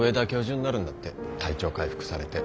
体調回復されて。